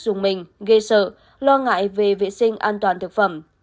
dùng mình gây sợ lo ngại về vệ sinh an toàn thực phẩm